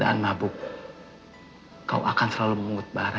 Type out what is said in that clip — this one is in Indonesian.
dia tidak seperti jangan mulai main main